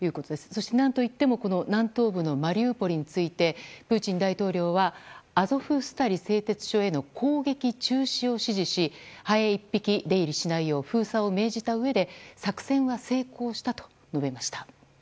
そして何といっても南東部のマリウポリについてプーチン大統領はアゾフスタリ製鉄所への攻撃中止を指示しハエ１匹出入りしないよう封鎖を命じたうえで作戦は成功したと述べました。